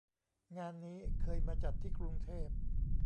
งานนี้เคยมาจัดที่กรุงเทพ